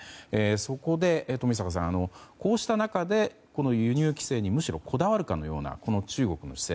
そこで冨坂さん、こうした中で輸入規制にむしろこだわるかのようなこの中国の姿勢